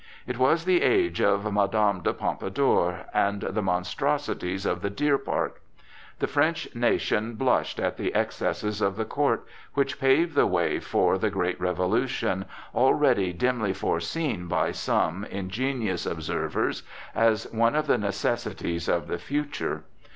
It was the age of Madame de Pompadour and the monstrosities of the "deer park." The French nation blushed at the excesses of the court, which paved the way for the great Revolution, already dimly foreseen by some ingenious observers, as one of the necessities of the future.